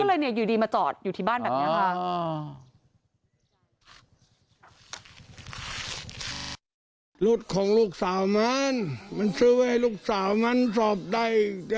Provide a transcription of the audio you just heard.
ก็เลยอยู่ดีมาจอดอยู่ที่บ้านแบบนี้ค่ะ